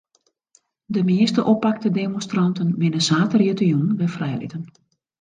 De measte oppakte demonstranten binne saterdeitejûn wer frijlitten.